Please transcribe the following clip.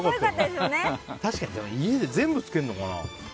確かに家で全部つけるのかな。